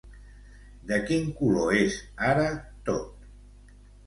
De quin color és ara tot?